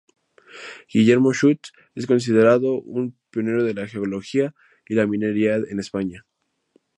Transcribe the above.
Guillermo Schulz es considerado un pionero de la geología y la minería en España.